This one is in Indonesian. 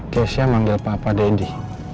keisha manggil papa deddy